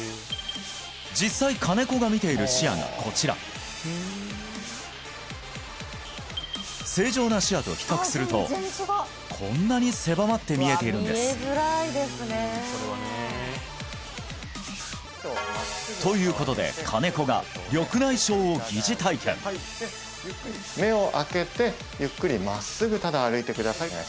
実際金子が見ている視野がこちら正常な視野と比較するとこんなに狭まって見えているんですということで金子が目を開けます